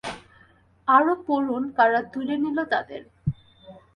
আরও পড়ুন কারা তুলে নিল তাঁদের